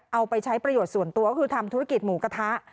เอาไปใช้ประโยชน์ส่วนตัวก็คือทำธุรกิจหมูกระทะ